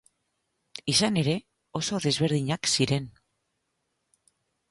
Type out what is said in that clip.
Izan ere, oso desberdinak ziren.